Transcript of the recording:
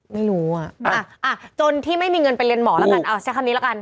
ไม่รู้อ่ะจนที่ไม่มีเงินไปเรียนหมอแล้วกันใช้คำนี้ละกัน